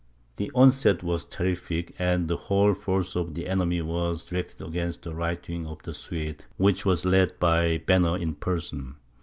The onset was terrific; and the whole force of the enemy was directed against the right wing of the Swedes, which was led by Banner in person.